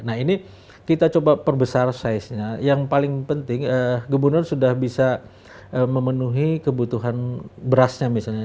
nah ini kita coba perbesar size nya yang paling penting gubernur sudah bisa memenuhi kebutuhan berasnya misalnya